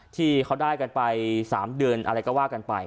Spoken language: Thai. ที่เขาได้กันไป๓เดือนอะไรก็ว่ากันไป